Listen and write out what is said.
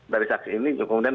dari saksi ini kemudian